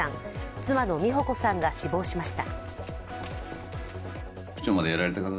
妻の美保子さんが死亡しました。